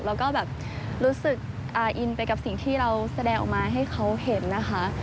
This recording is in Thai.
แล้วก็แบบรู้สึกอาอินไปกับสิ่งที่เราแสดงออกมาให้เขาเห็นนะคะ